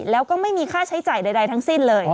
แล้วก็ไม่มีค่าใช้จ่ายใดทั้งสิ้นเลย